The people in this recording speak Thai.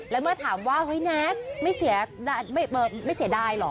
แล้วเมื่อถามว่านักไม่เสียไม่เสียดายหรอ